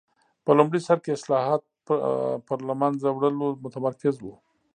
په لومړي سر کې اصلاحات پر له منځه وړلو متمرکز و.